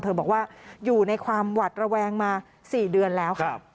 บอกว่าอยู่ในความหวัดระแวงมา๔เดือนแล้วครับ